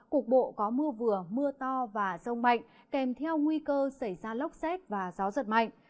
cục bộ có mưa vừa mưa to và rông mạnh kèm theo nguy cơ xảy ra lốc xét và gió giật mạnh